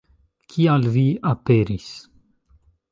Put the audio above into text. Kial vi aperis?